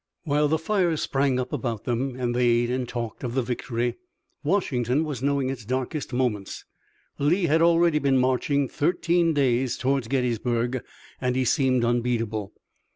While the fires sprang up about them and they ate and talked of the victory, Washington was knowing its darkest moments. Lee had already been marching thirteen days toward Gettysburg, and he seemed unbeatable.